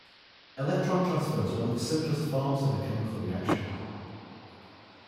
Electron transfer is one of the simplest forms of a chemical reaction.